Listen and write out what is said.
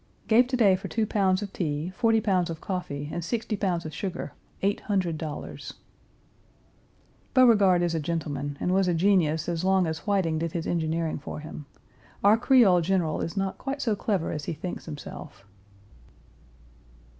Gave to day for two pounds of tea, forty pounds of coffee, and sixty pounds of sugar, $800. Beauregard is a gentleman and was a genius as long as Whiting did his engineering for him. Our Creole general is not quite so clever as he thinks himself.